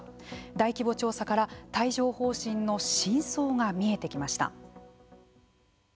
大規模調査から帯状ほう疹の真相が見えてきました。